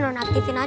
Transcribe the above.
udah sini sini